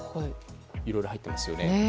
いろいろ入ってますよね。